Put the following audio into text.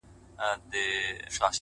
په ياد کي ساته د حساب او د کتاب وخت ته؛